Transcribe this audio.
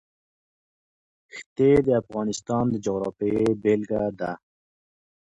ښتې د افغانستان د جغرافیې بېلګه ده.